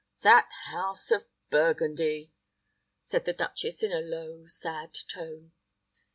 that house of Burgundy!" said the duchess, in a low, sad tone.